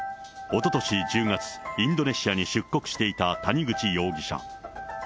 おととし１０月、インドネシアに出国していた谷口容疑者。